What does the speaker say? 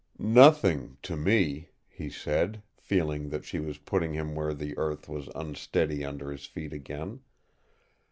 "Nothing to me," he said, feeling that she was putting him where the earth was unsteady under his feet again.